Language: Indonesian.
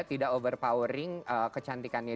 tidak overpowering kecantikannya